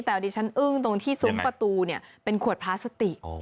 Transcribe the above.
แต่ดิฉันอึ้งตรงที่ซุ้มประตูเป็นขวดพลาสติก